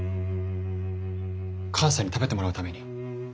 母さんに食べてもらうために。